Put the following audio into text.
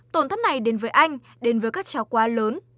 tổn thất này đến với anh đến với các cháu quá lớn